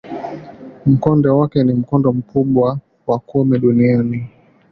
Mkondo wake ni mkondo mkubwa wa kumi duniani.